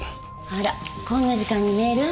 あらこんな時間にメール？